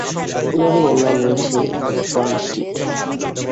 এভাবেই এর নাম হয়েছে পার্ল স্ট্রিট।